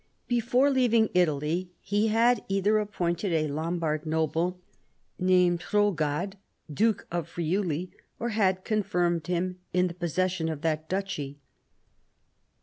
Before leaving Italy he had either appointed a Lombard noble named Hrodgaud, Duke of Friuli, or had confirmed him in the possession of that duchy.